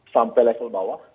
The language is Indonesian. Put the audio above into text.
sampai level bawah